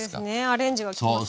アレンジがききますね。